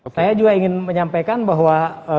saya juga ingin menyampaikan bahwa